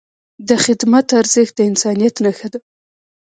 د خدمت ارزښت د انسانیت نښه ده.